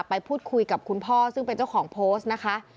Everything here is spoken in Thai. ไปพูดคุยกับคุณพ่อซึ่งเป็นเจ้าของโพสต์นะคะ